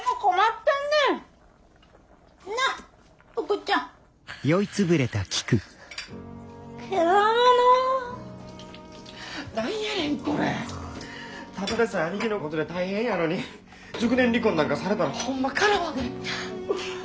ただでさえ兄貴のことで大変やのに熟年離婚なんかされたらホンマかなわんで。